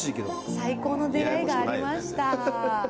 最高の出会いがありました。